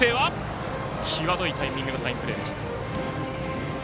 際どいタイミングのサインプレーでした。